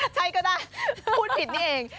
ใช่ก็ได้พูดผิดนี่เอง